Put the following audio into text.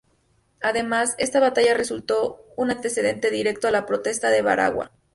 Además, esta batalla resultó un antecedente directo a la Protesta de Baraguá.